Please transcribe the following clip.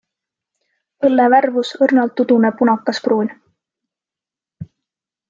Õlle värvus - õrnalt udune punakaspruun.